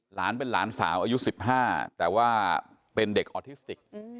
หลานเป็นหลานสาวอายุ๑๕แต่ว่าเป็นเด็กออทิสติก